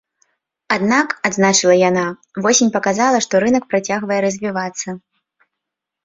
Аднак, адзначыла яна, восень паказала, што рынак працягвае развівацца.